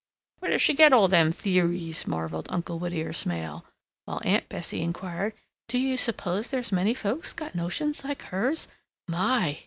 "Where does she get all them the'ries?" marveled Uncle Whittier Smail; while Aunt Bessie inquired, "Do you suppose there's many folks got notions like hers? My!